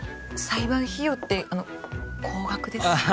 裁判費用ってあの高額ですよね